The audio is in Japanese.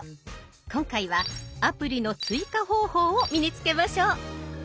今回はアプリの追加方法を身につけましょう。